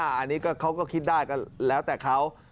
อันนี้เขาก็คิดได้ก็แล้วแต่เขา